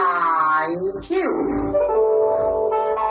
เจ้าเจ้า